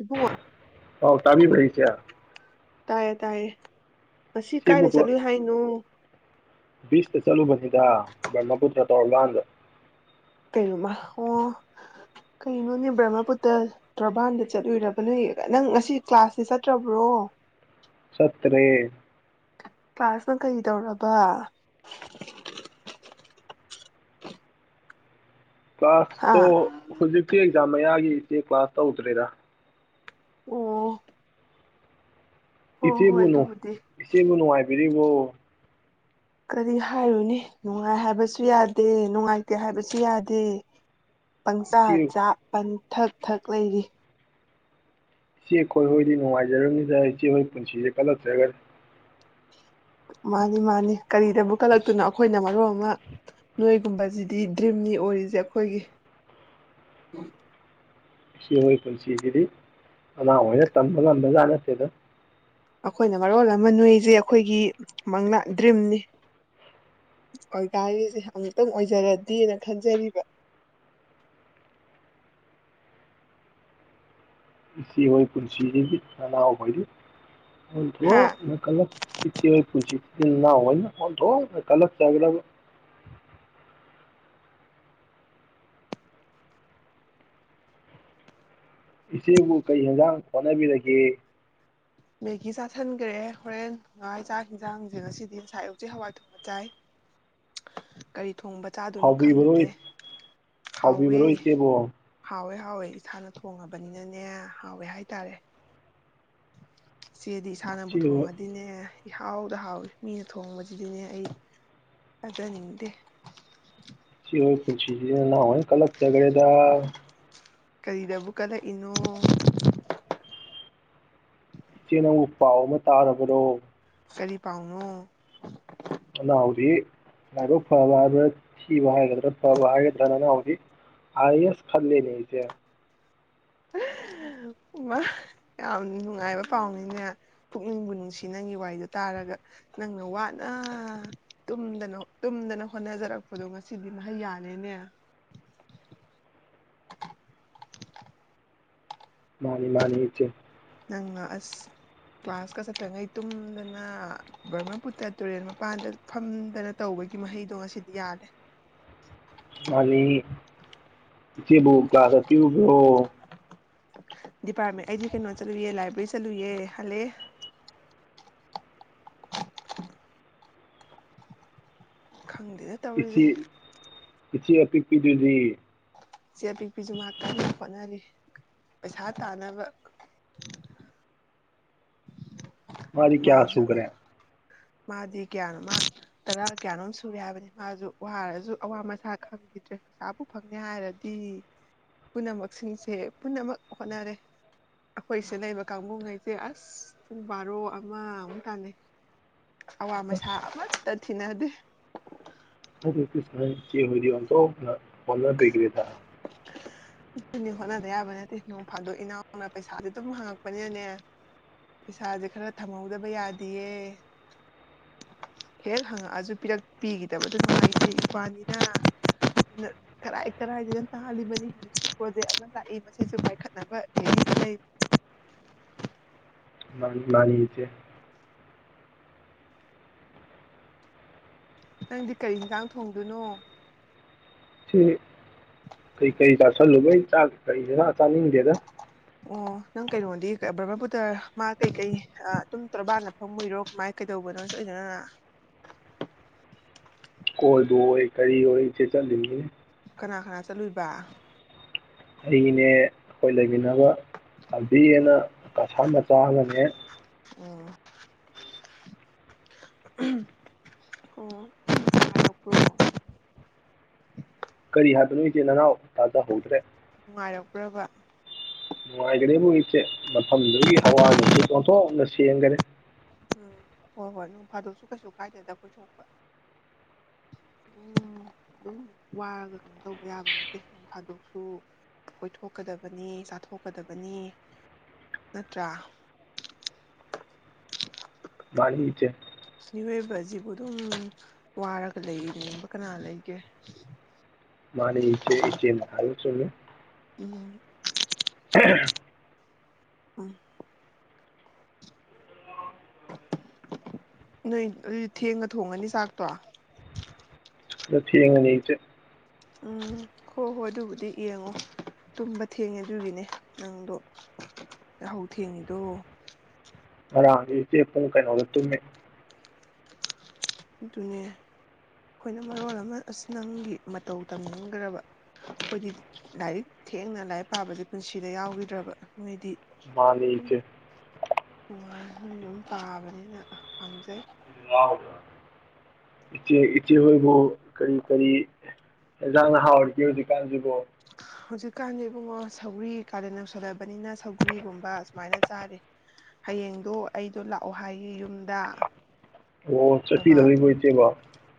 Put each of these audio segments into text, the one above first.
ꯏꯕꯨꯉꯣ ꯍꯥꯎ ꯇꯕꯤꯕꯔꯥ ꯆꯦ ꯇꯌꯦ ꯇꯌꯦ ꯃꯁꯤ ꯁꯤꯕꯨ ꯀꯥꯏꯗ ꯆꯠꯂꯨꯏ ꯍꯥꯏꯅꯣ ꯕꯤꯁꯇ ꯆꯂꯨꯕꯅꯤꯗ ꯕꯔꯃꯄꯨꯨꯇ꯭ꯔ ꯇꯧ ꯂꯥꯟꯕꯥ ꯀꯩꯅꯣꯃ ꯑꯣ ꯀꯩꯅꯣꯅꯦ ꯕ꯭ꯔꯃꯄꯨꯇ ꯇꯣꯔꯕꯥꯟꯗ ꯆꯠꯂꯨꯢꯔꯕ ꯅꯣꯏ ꯅꯪ ꯉꯁꯤ ꯀ꯭ꯂꯥꯁꯇꯤ ꯆꯠꯇ꯭ꯔꯕ꯭ꯔꯣ ꯆꯠꯇꯔꯦ ꯀꯂ꯭ꯥꯁꯅ ꯀꯩ ꯇꯧꯔꯕ ꯍꯥ ꯀ꯭ꯂꯥꯁꯇꯣ ꯍꯧꯖꯤꯛꯇꯤ ꯑꯦꯛꯖꯥꯝ ꯃꯌꯥꯒꯤ [unintelligible] ꯀ꯭ꯂꯥꯁ ꯇꯧꯗꯔ꯭ꯦꯗꯥ ꯑꯣ ꯍꯣꯏ ꯏꯆꯦꯕꯨ ꯍꯣꯏ ꯅꯨꯡ ꯑꯗꯨꯕꯨꯗꯤ ꯏꯆꯦꯕꯨ ꯅꯨꯡꯉꯥꯏꯕꯤ ꯕꯤꯔꯤꯕꯣ ꯀꯔꯤ ꯍꯥꯏꯔꯨꯅꯤ ꯅꯨꯡꯉꯥꯏ ꯍꯥꯏꯕꯁꯨ ꯌꯥꯗꯦ ꯅꯨꯡꯉꯥꯏꯇꯦ ꯍꯥꯏꯕꯁꯨ ꯌꯥꯗꯦ ꯄꯪꯆꯥ ꯏꯆꯦ ꯆꯥ ꯄꯪ ꯊꯛ ꯊꯛ ꯂꯩꯔꯤ ꯏꯆꯦ ꯑꯩꯈꯣꯏ ꯍꯣꯏꯗꯤ ꯅꯨꯡꯉꯥꯏꯖꯔꯕꯅꯤꯗ ꯏꯆꯦ ꯍꯣꯏ ꯄꯨꯟꯁꯤꯁꯦ ꯀꯜꯂꯛꯆꯒꯔ꯭ꯦ ꯃꯥꯅꯤ ꯃꯥꯅꯤ ꯀꯔꯤꯗꯕꯨ ꯀꯜꯂꯛꯇꯨꯅꯣ ꯑꯩꯈꯣꯏꯅ ꯃꯔꯣꯝ ꯑꯃ ꯅꯣꯏꯒꯨꯝꯕꯁꯤꯗꯤ ꯗ꯭ꯔꯤꯝꯅꯤ ꯑꯣꯏꯔꯤꯁꯦ ꯑꯩꯈꯣꯏꯒꯤ ꯏꯆꯦ ꯍꯣꯏ ꯄꯨꯟꯁꯤꯁꯤꯗꯤ ꯅꯅꯥꯎꯍꯣꯌꯅ ꯇꯝꯕ ꯉꯝꯕꯖꯥꯠ ꯅꯠꯇꯦꯗ ꯑꯩꯈꯣꯏꯅ ꯃꯔꯣꯜ ꯑꯃ ꯅꯣꯏꯁꯦ ꯑꯩꯈꯣꯏꯒꯤ ꯃꯪ ꯗ꯭ꯔꯤꯝꯅꯤ ꯑꯣꯏꯒꯥꯢꯔꯤꯁꯦ ꯑꯃꯨꯛꯇꯪ ꯑꯣꯏꯖꯔꯗꯤꯅ ꯈꯟꯖꯔꯤꯕ ꯏꯆꯦꯍꯣꯌ ꯄꯨꯟꯁꯤꯖꯤꯗꯤ ꯅꯅꯥꯎꯍꯣꯏꯗꯤ ꯑꯣꯟ ꯍꯥ ꯊꯣꯛꯅꯥ ꯀꯜꯂꯛ ꯏꯆꯦꯍꯣꯌ ꯄꯨꯟꯁꯤ ꯢꯆꯤꯟ ꯢꯅꯥꯎꯍꯣꯌꯅ ꯑꯣꯟꯊꯣꯛꯅꯥ ꯀꯜꯂꯛꯆꯈꯔ꯭ꯕ ꯏꯆꯦꯕꯨ ꯀꯔꯤ ꯍꯦꯟꯖꯥꯡ ꯍꯣꯠꯅꯕꯤꯔꯒꯦ ꯃꯦꯒꯤ ꯆꯥꯥꯁꯟꯈ꯭ꯔꯦ ꯍꯣꯔꯦꯟ ꯉꯥ ꯆꯥꯛ ꯌꯦꯟꯁꯥꯡꯁꯦ ꯉꯁꯤꯗꯤ ꯉꯁꯥꯏ ꯍꯧꯖꯤꯛ ꯍꯋꯥꯏ ꯊꯣꯡꯕ ꯆꯥꯏ ꯀꯔꯤ ꯊꯣꯡꯕ ꯆꯥꯗꯨꯅꯣ ꯍꯥꯎꯕꯤꯕ꯭ꯔꯣ ꯈꯪꯗꯦ ꯍꯥꯎꯌꯦ ꯍꯥꯎꯕꯤꯕ꯭ꯔꯣ ꯏꯆꯦꯕꯨ ꯍꯥꯎꯌꯦ ꯍꯥꯎꯌꯦ ꯏꯁꯥꯅ ꯊꯣꯡꯉꯕꯅꯤꯅꯅꯦ ꯍꯥꯎꯌꯦ ꯍꯥꯏꯇꯥꯔꯦ ꯆꯦꯗꯤ ꯏꯁꯥꯅꯕꯨ ꯏꯆꯦꯍꯣꯏ ꯊꯣꯡꯉꯗꯤꯅꯦ ꯢ ꯍꯥꯎꯗ ꯍꯥꯎꯢ ꯃꯤꯅ ꯊꯣꯡꯕꯁꯤꯗꯤꯅꯦ ꯑꯩ ꯆꯖꯅꯤꯡꯗꯦ ꯆꯦ ꯍꯣꯌ ꯄꯨꯟꯁꯤꯖꯦ ꯅꯅꯥꯎ ꯍꯣꯏꯅꯥ ꯀꯜꯂꯛꯆꯥꯒꯔ꯭ꯦꯗꯥ ꯀꯔꯤꯗꯕꯨ ꯀꯜꯂꯛꯏꯅꯣ ꯏꯆꯦ ꯅꯪꯕꯨ ꯄꯥꯎ ꯑꯃ ꯇꯥꯔꯕ꯭ꯔꯣ ꯀꯔꯤ ꯄꯥꯎꯅꯣ ꯅꯅꯥꯎꯗꯤ ꯂꯥꯏꯕꯛ ꯐꯕ ꯍꯥꯏꯕꯔꯥ ꯊꯤꯕ ꯍꯥꯏꯒꯗ꯭ꯔꯥ ꯐꯕ ꯍꯥꯏꯒꯗ꯭ꯔꯥ ꯅꯅꯥꯎꯗꯤ ꯑꯥꯏ ꯑꯦ ꯑꯦꯁ ꯈꯜꯂꯦꯅꯦ ꯏꯆꯦ ꯎ ꯌꯥꯝ ꯅꯨꯡꯉꯥꯏꯕ ꯄꯥꯎꯅꯤꯅꯦ ꯄꯨꯛꯅꯤꯡꯕꯨ ꯅꯨꯡꯁꯤ ꯅꯪꯒꯤ ꯋꯥꯔꯤꯗꯣ ꯇꯥꯔꯒ ꯅꯪꯅ ꯋꯥꯅ ꯇꯨꯝꯗꯅ ꯇꯨꯝꯗꯅ ꯍꯣꯠꯅꯖꯔꯛꯄꯗꯣ ꯉꯁꯤꯗꯤ ꯃꯍꯩ ꯌꯥꯜꯂꯦꯅꯦ ꯃꯥꯅꯤ ꯃꯥꯅꯤ ꯏꯆꯦ ꯅꯪꯅ ꯑꯁ ꯀ꯭ꯂꯥꯁꯀ ꯆꯠꯇ꯭ꯔꯤꯉꯩ ꯇꯨꯝꯗꯅ ꯕꯔꯃꯄꯨꯠꯇ ꯇꯨꯔꯦꯜ ꯃꯄꯥꯟꯗ ꯐꯝꯗꯅ ꯇꯧꯕꯒꯤ ꯃꯍꯩꯗꯣ ꯉꯁꯤꯗꯤ ꯌꯥꯜꯂꯦ꯫ ꯃꯥꯟꯅꯤ ꯏꯆꯦꯕꯨ ꯀ꯭ꯂꯥꯁ [unintelligible] ꯗꯤꯄꯥꯔꯠꯃꯦꯟ ꯑꯩꯗꯤ ꯀꯩꯅꯣ ꯆꯠꯂꯨꯌꯦ ꯂꯥꯏꯕ꯭ꯔꯦꯔꯤ ꯆꯠꯂꯨꯌꯦ ꯍꯜꯂꯛꯑꯦ꯫ ꯈꯪꯗꯦꯗ ꯇꯧꯔꯤꯖꯦ ꯏꯆꯦ ꯏꯆꯦ ꯑꯄꯤꯛꯄꯤꯗꯨꯗꯤ ꯆꯦ ꯑꯄꯤꯛꯄꯤꯁꯨ ꯃꯥ ꯀꯟꯅ ꯍꯣꯠꯅꯔꯤ ꯄꯩꯁꯥ ꯇꯥꯟꯅꯥꯕ ꯃꯥꯗꯤ ꯀꯌꯥ ꯃꯥꯁꯨ ꯁꯨꯈ꯭ꯔꯦ꯫ ꯃꯥꯗꯤ ꯀꯌꯥꯅꯣ ꯃꯥ ꯇꯔꯥ ꯀꯌꯥꯅꯣꯝ ꯁꯨꯔꯦ ꯍꯥꯏꯕꯅꯤ ꯃꯥꯁꯨ ꯋꯥꯔꯁꯨ ꯑꯋꯥ ꯃꯁꯥ ꯈꯪꯈꯤꯗ꯭ꯔꯦ ꯄꯩꯁꯥꯕꯨ ꯐꯪꯅꯤ ꯍꯥꯏꯔꯗꯤ ꯄꯨꯝꯅꯃꯛꯁꯤꯡꯁꯦ ꯄꯨꯝꯅꯃꯛ ꯍꯣꯠꯅꯔꯦ ꯑꯈꯣꯏꯁꯤꯗ ꯂꯩꯕ ꯀꯥꯡꯕꯨꯉꯩꯁꯦ ꯑꯁ ꯄꯨꯡ ꯕꯥꯔꯣ ꯑ ꯑꯃꯃꯨꯛ ꯇꯥꯅꯩ ꯑꯋꯥ ꯃꯁꯥ ꯑꯁ ꯑꯃꯠꯇ ꯊꯤꯅꯗꯦ꯫ [unintelligible] ꯏꯆꯦꯍꯣꯏꯗꯤ ꯑꯣꯟꯊꯣꯛꯅ ꯍꯣꯠꯅꯕꯤꯈꯔꯦꯗ꯫ ꯑꯗꯨꯅꯤ ꯍꯣꯠꯅꯗ ꯌꯥꯕ ꯅꯠꯇꯦ ꯅꯣꯡ ꯐꯥꯗꯣꯛ ꯏꯅꯥꯎꯅ ꯄꯩꯁꯥꯁꯦ ꯑꯗꯨꯝ ꯍꯪꯉꯛꯄꯅꯤꯅꯅꯦ ꯄꯩꯁꯥꯁꯦ ꯈꯔ ꯊꯝꯍꯧꯗꯕ ꯌꯥꯗꯦꯌꯦ ꯍꯦꯛ ꯍꯪꯉꯛꯑꯁꯨ ꯄꯤꯔꯛ ꯄꯤꯈꯤꯗꯕꯗꯨ ꯅꯨꯡꯉꯥꯏꯇꯦ ꯏꯎꯄꯥꯥꯅꯤꯅ ꯑꯗꯨꯅ ꯀꯔꯥꯏ ꯀꯔꯥꯏꯗꯅ ꯇꯥꯜꯂꯤꯕꯅꯤ꯫ ꯄ꯭ꯔꯣꯖꯦꯛ ꯑꯃ ꯂꯥꯛꯏ ꯃꯁꯤꯁꯨ ꯄꯥꯏꯈꯠꯅꯕ ꯔꯦꯗꯤꯗ ꯂꯩ꯫ ꯃꯟꯅꯤ ꯃꯟꯅꯤ ꯏꯆꯦ꯫ ꯅꯪꯗꯤ ꯀꯔꯤ ꯌꯦꯟꯁꯥꯡ ꯊꯣꯡꯗꯥꯏꯅꯣ꯫ ꯁꯤ ꯀꯩ ꯀꯔꯤ ꯆꯥꯁꯜꯂꯨꯕꯩ ꯆꯥꯛ [unintelligible] ꯆꯥꯅꯤꯡꯗꯦꯗ꯫ ꯑꯣ ꯅꯪ ꯀꯩꯅꯣꯗꯤ ꯕ꯭ꯔꯃꯄꯨꯇ꯭ꯔ ꯃꯥ ꯀꯩꯀꯩ ꯑꯗꯨꯨꯝ ꯇꯣꯔꯕꯥꯅ ꯐꯪꯃꯨꯏꯔꯣ ꯀꯃꯥꯏ ꯀꯩꯗꯧꯕꯅꫭ ꯆꯠꯂꯤꯗꯨꯅ꯫ ꯀꯣꯏꯕꫭꯏ ꯀꯔꯤ ꯑꯣꯏ ꯆꯦ ꯆꯠꯂꯤꯅꯤ꯫ ꯀꯅꯥ ꯀꯅꯥ ꯆꯠꯂꯨꯏꯕꯥ꯫ ꯑꯩꯅꯦ ꯀꯣꯏ ꯂꯩ ꯅꯕ ꯊꯝꯕꯤ ꯑꯅ ꯀꯁꯥꯔ [unintelligible] ꯑꯣ ꯑꯣ [unintelligible] ꯀꯔꯤ ꯍꯥꯏꯗꯣꯏꯅꯣ ꯏꯆꯦ ꯅꯅꯥꯎ ꯇꯥꯖꯍꯧꯗ꯭ꯔꯦ꯫ ꯅꯨꯡꯉꯥꯏꯔꯛꯄ꯭ꯔꯕ ꯅꯨꯡꯉꯥꯏꯈ꯭ꯔꯦꯕꯨ ꯏꯆꯦ ꯃꯐꯝꯗꯨꯒꯤ ꯍꯋꯥ ꯅꯨꯡꯁꯤꯠ ꯑꯣꯟꯊꯣꯛꯅ ꯁꯦꯡꯒ꯭ꯔꯦ꯫ ꯎꯝ ꯍꯣꯏ ꯍꯣꯏ ꯅꯣꯡ ꯐꯥꯗꯣꯛꯁꯨ ꯀꯩꯁꯨ ꯀꯥꯏꯗꯗ ꯀꯣꯏꯊꯣꯛꯄ ꯑꯗꯨꯝ ꯑꯗꯨꯝ ꯋꯥꯔꯒ ꯀꯩꯅꯣ ꯇꯧꯕ ꯌꯥꯕ ꯅꯠꯇꯦ ꯅꯣꯡ ꯐꯥꯗꯣꯛꯁꯨ ꯀꯣꯏꯊꯣꯛꯀꯗꯕꯅꯤ ꯆꯥꯊꯣꯛꯀꯗꯕꯅꯤ ꯅꯠꯇ꯭ꯔꯥ꯫ ꯃꯥꯅꯤ ꯏꯆꯦ꯫ ꯃꯤꯑꯣꯏꯕꯁꯤꯕꯨ ꯑꯗꯨꯝ ꯋꯥꯔꯒ ꯂꯩꯅꯤꯡꯕ ꯀꯅꯥ ꯂꯩꯒꯦ꯫ ꯃꯥꯅꯦ ꯏꯆꯦ ꯏꯆꯦꯅ ꯍꯥꯏꯕ ꯆꯨꯝꯏ꯫ ꯎꯝ [unintelligible] [unintelligible] ꯅꯣꯏ ꯑꯗꯨꯗꯤ ꯊꯦꯡꯉ ꯊꯣꯡꯉꯅꯤ ꯆꯥꯛꯇꯣ꯫ ꯗꯥ ꯊꯦꯡꯑꯅꯤ ꯏꯆꯦ꯫ ꯎꯝ ꯍꯣ ꯍꯣꯏ ꯑꯗꯨꯕꯨꯗꯤ ꯌꯦꯡꯉꯣ ꯇꯨꯝꯕ ꯊꯦꯡꯉꯦ ꯑꯗꯨꯒꯤꯅꯦ ꯅꯪꯗꯣ ꯌꯥꯍꯧ ꯊꯦꯡꯉꯤꯗꯣ꯫ ꯉꯔꯥꯡꯒꯤ ꯏꯆꯦ ꯄꯨꯡ ꯀꯩꯅꯣꯗ ꯇꯨꯝꯃꯦ ꯑꯗꯨꯅꯦ ꯃꯥꯅꯤ ꯏꯆꯦ꯫ ꯃꯣꯏ ꯑꯗꯨꯝ ꯇꯥꯕꯅꯤꯅ ꯄꯥꯝꯖꯩ ꯏꯆꯦ ꯏꯆꯦ ꯍꯣꯏꯕꯨ ꯀꯔꯤ ꯀꯔꯤ ꯍꯖꯥꯡꯅꯍꯥꯎꯔꯒꯦ ꯍꯧꯖꯤꯛꯀꯥꯟꯁꯤꯕꯨ꯫ ꯍꯧꯖꯤꯛꯀꯥꯟꯗꯤ ꯏꯕꯨꯡꯉꯣ ꯁꯧꯒ꯭ꯔꯤ ꯀꯥꯗ ꯅꯧꯁꯜꯂꯕꯅꯤꯅ ꯁꯧꯒꯔꯤꯒꯨꯝꯕ ꯁꯨꯃꯥꯏꯅ ꯆꯥꯔꯤ ꯍꯌꯦꯡꯗꯣ ꯑꯩꯗꯣ ꯂꯥꯛꯑꯣ ꯍꯥꯏꯌꯦ ꯌꯨꯝꯗꯥ꯫ ꯑꯣ ꯆꯠꯄꯤꯂꯗꯕꫭ ꯏꯆꯦꯕꯥ꯫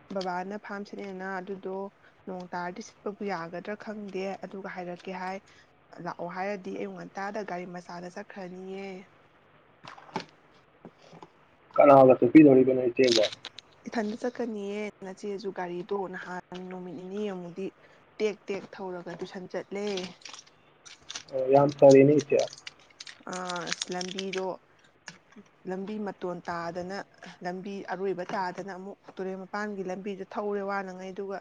ꯕꯕꯥꯅ ꯐꯥꯝ ꯁꯤꯠꯂꯦꯅ ꯑꯗꯨꯗꯣ ꯅꯣꯡ ꯇꯥꯔꯗꯤ ꯁꯤꯠꯄꯕꯨ ꯌꯥꯒꯗ꯭ꯔꯥ ꯈꯪꯗꯦ ꯑꯗꯨꯒ ꯍꯥꯏꯔꯛꯀꯦ ꯍꯥꯏ ꯂꯥꯛꯑꯣ ꯍꯥꯏꯔꯗꯤ ꯑꯌꯨꯛ ꯉꯟꯇꯥꯗ ꯒꯥꯔꯤ ꯃꯆꯥꯗ ꯆꯠꯈ꯭ꯔꯅꯤꯌꯦ꯫ ꯀꯅꯥꯒ ꯆꯠꯄꯤꯒꯗꯧꯔꯤꯕꯅꫭ ꯏꯆꯦꯕꫭ꯫ ꯏꯊꯟꯇ ꯆꯠꯀꯅꯤꯌꯦ ꯅꯆꯦꯁꯨ ꯒꯥꯔꯤꯗꯣ ꯅꯍꯥꯟ ꯅꯨꯃꯤꯠ ꯅꯤꯅꯤ ꯑꯃꯨꯛꯗꯤ ꯇꯦꯛ-ꯇꯦꯛ ꯊꯧꯔꯒ ꯇꯨꯁꯟ ꯆꯠꯂꯦ꯫ ꯑꯣ ꯌꯥꯝ ꯐꯔꯤꯅꯦ ꯏꯆꯦ꯫ ꯑ ꯂꯝꯕꯤꯗꯣ ꯂꯝꯕꯤ ꯃꯇꯣꯟ ꯇꯥꯗꯅ ꯂꯝꯕꯤ ꯑꯔꯣꯏꯕ ꯇꯥꯗꯅ ꯑꯃꯨꯛ ꯇꯨꯔꯦꯟ ꯃꯄꯥꯟꯒꯤ ꯂꯝꯕꯤꯗꯣ ꯊꯧꯔꯦ ꯋꯥꯅꯉꯥꯏ ꯑꯗꯨꯒ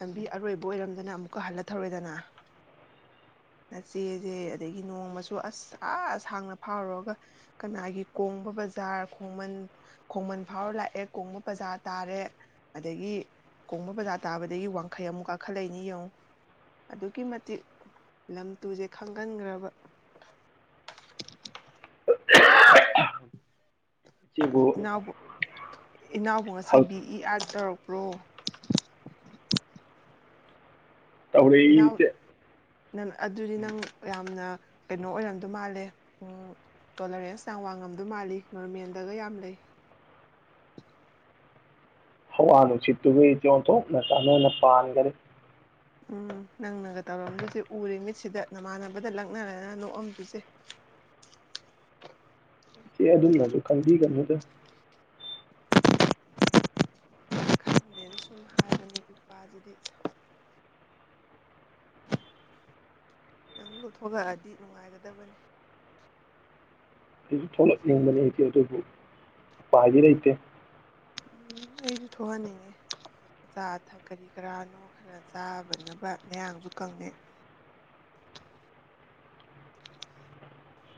ꯂꯝꯕꯤ ꯑꯔꯣꯏꯕ ꯑꯣꯏꯔꯝꯗꯅ ꯑꯃꯨꯛꯀ ꯍꯜꯂ ꯊꯧꯔꯦꯗꯅ ꯅꯆꯦꯁꯦ ꯑꯗꯒꯤ ꯅꯣꯡꯃꯁꯨ ꯑꯁ ꯑ ꯁꯥꯡꯅ ꯐꯥꯎꯔꯨꯔꯒ ꯀꯅꯥꯒꯤ ꯀꯣꯡꯕ ꯕꯖꯥꯔ ꯈꯣꯡꯃꯟ ꯈꯣꯡꯃꯟ ꯐꯥꯎꯔ ꯂꯥꯛꯑꯦ ꯀꯣꯡꯕ ꯕꯖꯥꯔ ꯇꯥꯔꯦ ꯑꯗꯒꯤ ꯀꯣꯡꯕ ꯕꯖꯥꯔ ꯇꯥꯕꯗꯒꯤ ꯋꯥꯡꯈꯩ ꯑꯃꯨꯛ ꯀꯥꯈꯠꯂꯛꯏꯅꯤ ꯌꯦꯡꯉꯨ ꯑꯗꯨꯛꯀꯤ ꯃꯇꯤꯛ ꯂꯝ ꯇꯨꯁꯦ ꯈꯪꯒꯟꯈ꯭ꯔꯕ꯫ [unintelligible] ꯏꯆꯦꯕꯨ ꯏꯅꯥꯎꯕꯨ ꯏꯅꯥꯎꯕꯨ ꯉꯁꯤ ꯕꯤ ꯏ ꯑꯥꯔ ꯇꯧꯔꯛ ꯄ꯭ꯔꯣ ꯏꯅꯥꯎ ꯇꯧꯔꯛꯏꯁꯦ ꯅꯪ ꯑꯗꯨꯗꯤ ꯅꯪ ꯌꯥꯝꯅ ꯀꯩꯅꯣ ꯑꯣꯏꯔꯝꯗꯣ ꯃꯥꯜꯂꯦ ꯇꯣꯂꯔꯦꯟꯁ ꯌꯥꯝ ꯋꯥꯡꯉꯝꯗꯧ ꯃꯥꯜꯂꯤ ꯅꯣꯔꯃꯦꯜꯗꯒ ꯌꯥꯝ ꯂꯩ ꯍꯋꯥ ꯅꯨꯡꯁꯤꯠꯇꯨꯕꯨ ꯏꯆꯦ ꯑꯣꯟꯊꯣꯛꯅ ꯆꯥꯟꯅꯅ ꯄꯥꯟꯒꯔꯦ ꯎꯝ ꯅꯪꯅꯒ ꯇꯧꯔꯝꯗꯣꯏꯁꯦ ꯎꯔꯦ ꯃꯤꯠꯁꯤꯗ ꯅꯃꯥꯟꯅꯕꯗ ꯂꯛꯅꯔꯗꯅ ꯅꯣꯛꯑꯝꯗꯣꯏꯁꯦ ꯏꯆꯦ ꯑꯗꯨꯝꯅꯁꯨ ꯈꯟꯕꯤꯒꯅꯨꯗ ꯈꯟꯗꯦꯅ ꯁꯨꯝ ꯍꯥꯏꯕꯅꯤ ꯏꯄ꯭ꯋꯥꯁꯤꯗꯤ ꯅꯪꯗꯨꯊꯣꯂꯛꯑꯗꯤ ꯅꯨꯡꯉꯥꯏꯒꯗꯕꯅꯤ ꯑꯩꯁꯨ ꯊꯣꯛꯂꯛ ꯅꯤꯡꯕꯅꯤ ꯑꯩ ꯏꯆꯦ ꯑꯗꯨꯕꯨ ꯎ ꯄꯥꯏꯗꯤ ꯂꯩꯇꯦ ꯎꯝ ꯑꯩꯁꯨ ꯊꯣꯛꯍꯟꯅꯤꯡꯉꯦ ꯑꯆꯥ ꯑꯊꯛ ꯀꯔꯤ ꯀꯔꯥꯅꯣ ꯈꯔ ꯆꯥꯕꯅꯕ ꯅꯌꯥꯡꯁꯨ ꯀꯪꯉꯦ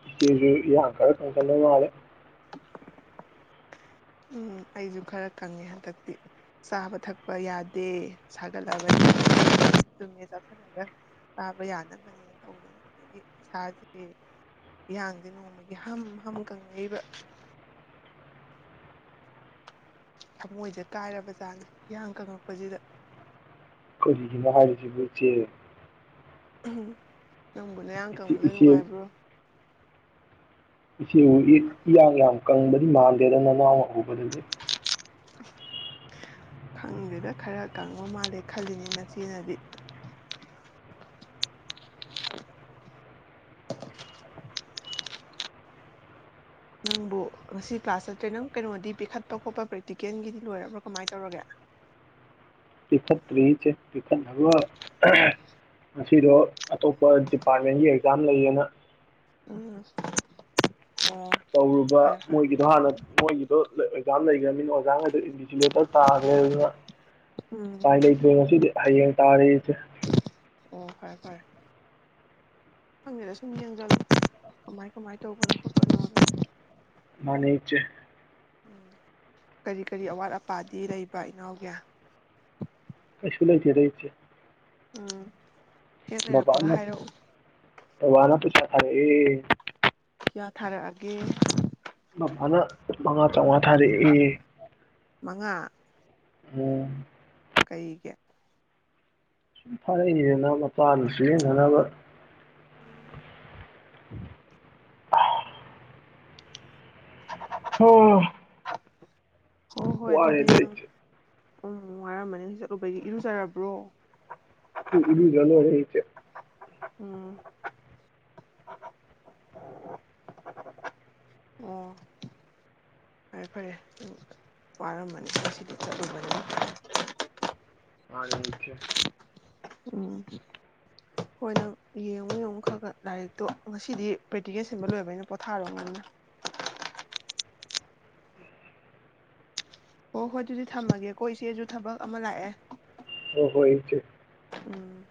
ꯏꯆꯦ ꯖꯦ ꯏꯌꯥꯡ ꯈꯔ ꯀꯪꯖꯜꯂ ꯃꯥꯂꯦ ꯎꯝ ꯑꯩꯖꯨ ꯈꯔ ꯀꯪꯉꯦ ꯍꯟꯗꯛꯇꯤ ꯆꯥꯕ ꯊꯛꯄ ꯌꯥꯗꯦ ꯁꯥꯒꯠꯂꯕꯅꯤꯅ ꯆꯨꯝꯃꯦ ꯆꯥꯁꯜꯂꯒ ꯆꯥꯕ ꯌꯥꯗꯕꯅꯤꯅ ꯇꯧꯗꯅ ꯑꯗꯩꯒꯤ ꯏꯁꯥꯁꯦ ꯏꯌꯥꯥꯡꯁꯦ ꯅꯣꯡꯃꯒꯤ ꯍꯝ ꯍꯝ ꯀꯪꯉꯛꯏꯕ ꯊꯃꯣꯏꯖꯦ ꯀꯥꯏꯔꯕꯖꯥꯠꯅꯤ ꯏꯌꯥꯡ ꯀꯪꯉꯛꯄꯖꯤꯗ ꯀꯔꯤꯒꯤꯅꯣ ꯍꯥꯏꯔꯤꯖꯤꯕꯨ ꯏꯆꯦ ꯂꯧꯁꯤꯟꯕ ꯉꯝꯗꯕ ꯅꯌꯥꯡ ꯀꯪꯕꯗꯣ ꯏꯆꯦ ꯅꯨꯡꯉꯥꯏꯕ꯭ꯔꯣ ꯏꯆꯦꯅꯕꯨ ꯋꯦꯠ ꯏꯌꯥꯡ ꯌꯥꯡꯉꯦ ꯀꯪꯕꯗꯤ ꯃꯥꯟꯗꯦꯗ ꯅꯅꯥꯎꯅ ꯎꯕꯗꯗꯤ ꯈꯪꯗꯦꯗ ꯈꯔ ꯀꯪꯕ ꯃꯥꯜꯂꯦ ꯈꯜꯂꯤꯅꯤ ꯅꯆꯦꯅꯗꯤ ꯅꯪꯕꯨ ꯉꯁꯤ ꯀ꯭ꯂꯥꯁ ꯆꯠꯇ꯭ꯔꯦ ꯅꯪ ꯀꯩꯅꯣꯗꯤ ꯄꯤꯈꯠꯄ ꯈꯣꯠꯄ ꯄ꯭ꯔꯦꯛꯇꯤꯀꯦꯜꯒꯤꯗꯤ ꯂꯣꯏꯔꯕ꯭ꯔꯥ ꯀꯃꯥꯏ ꯇꯧꯔꯒꯦ ꯄꯤꯈꯠꯇ꯭ꯔꯤ ꯏꯆꯦ ꯄꯤꯈꯠꯅꯕ ꯑꯍꯍ--ꯉꯁꯤꯗꯣ ꯑꯇꯣꯞꯄ ꯗꯤꯄꯥꯔꯠꯃꯦꯟꯒꯤ ꯑꯦꯛꯖꯥꯝ ꯂꯩꯌꯦꯅ ꯎꯝ ꯑꯣ ꯇꯧꯔꯨꯕ ꯐꯔꯦ ꯐꯔꯦ ꯃꯣꯏꯒꯤꯗꯣ ꯍꯥꯟꯅ ꯃꯣꯏꯒꯤꯗꯣ ꯂꯣꯏ ꯖꯥꯝ ꯂꯩꯒ꯭ꯔꯃꯤꯅ ꯑꯣꯖꯥ ꯉꯩ ꯏꯟꯚꯤꯖꯤꯂꯦꯇꯔ ꯇꯥꯒ꯭ꯔꯦ ꯑꯗꯨꯅ ꯎꯝ ꯎꯄꯥꯏ ꯂꯩꯇ꯭ꯔꯦ ꯉꯁꯤꯗꯤ ꯍꯌꯦꯡ ꯇꯥꯔꯦ ꯏꯆꯦ ꯑꯣ ꯐꯔꯦ ꯐꯔꯦ ꯈꯪꯗꯦꯗ ꯁꯨꯝ ꯌꯦꯡꯖꯜꯂꯣ ꯀꯃꯥꯏ ꯀꯃꯥꯏ ꯇꯧꯕꯅꯣ ꯈꯣꯠꯄꯅꯣꯗꯣ ꯃꯥꯅꯦ ꯏꯆꯦ ꯀꯔꯤ ꯀꯔꯤ ꯑꯋꯥꯠ ꯑꯄꯥꯗꯤ ꯂꯩꯕ ꯏꯅꯥꯎꯒꯤ ꯀꯩꯁꯨ ꯂꯩꯇꯦꯗ ꯏꯆꯦ ꯎꯝ ꯍꯦꯛ ꯂꯩꯔꯛꯄꯒ ꯕꯕꯥꯅ ꯍꯥꯏꯔꯛꯎ ꯕꯕꯥꯅ ꯄꯩꯁꯥ ꯊꯥꯔꯛꯑꯦ ꯀꯌꯥ ꯊꯥꯔꯛꯑꯒꯦ ꯍꯟꯗꯛ ꯃꯉꯥ ꯆꯧꯉꯥ ꯊꯥꯔꯛꯑꯦ ꯃꯉꯥ ꯎꯝ ꯀꯩꯒꯤ ꯁꯨꯝ ꯊꯥꯔꯛꯏꯅꯤꯗꯅ ꯃꯆꯥꯅ ꯁꯤꯖꯤꯟꯅꯅꯕ ꯇꯥꯕ ꯉꯝꯗꯕ [inaudible] ꯍ-ꯍ ꯍꯣ ꯍꯣꯏ ꯑꯗꯨꯗꯤ ꯑꯪ [unintelligible] ꯎꯝ ꯋꯥꯔꯝꯃꯅꯤ ꯆꯠꯂꯨꯕꯩꯒꯤ ꯏꯔꯨꯖꯔꯕ꯭ꯔꯣ ꯎꯟ ꯑꯦꯔꯨꯖ ꯂꯣꯏꯔꯦ ꯏꯆꯦ ꯎꯝ ꯑꯣ ꯐꯔꯦ ꯐꯔꯦ ꯑꯗꯨ ꯋꯥꯔꯝꯕꯅꯤ ꯉꯁꯤꯗꯤ ꯆꯠꯂꯨꯕꯅꯤ ꯃꯥꯅꯤ ꯏꯆꯦ ꯎꯝ ꯍꯣꯏ ꯅꯪ ꯌꯦꯡꯉꯨ ꯌꯦꯡꯉꯨ ꯈ ꯂꯥꯏꯔꯤꯛꯇꯣ ꯉꯁꯤꯗꯤ ꯄ꯭ꯔꯦꯛꯇꯤꯀꯦꯜ ꯁꯦꯝꯕ ꯂꯣꯏꯕꯅꯤꯅ ꯄꯣꯊꯥꯔꯕꯅꯤꯅ ꯑꯣ ꯍꯣꯏ ꯑꯗꯨꯗꯤ ꯊꯝꯃꯒꯦꯀꯣ ꯏꯆꯦꯁꯨ ꯊꯕꯛ ꯑꯃ ꯂꯥꯛꯑꯦ ꯑꯣ ꯍꯣ ꯏꯆꯦ ꯎꯝ